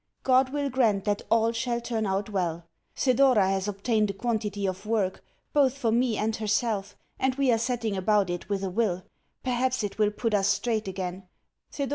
God will grant that all shall turn out well. Thedora has obtained a quantity of work, both for me and herself, and we are setting about it with a will. Perhaps it will put us straight again.